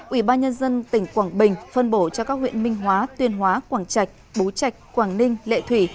ủy ban nhân dân tỉnh quảng bình phân bổ cho các huyện minh hóa tuyên hóa quảng trạch bố trạch quảng ninh lệ thủy